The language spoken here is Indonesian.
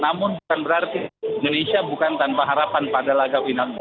namun bukan berarti indonesia bukan tanpa harapan pada laga final